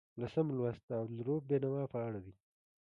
لسم لوست د عبدالرؤف بېنوا په اړه دی.